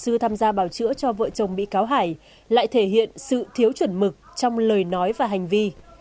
sư tham gia bảo chữa cho vợ chồng bị cáo hải lại thể hiện sự thiếu chuẩn mực trong lời nói và hành vi